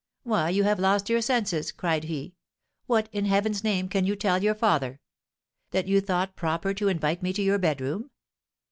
'Why, you have lost your senses,' cried he; 'what, in Heaven's name, can you tell your father? That you thought proper to invite me to your bedroom?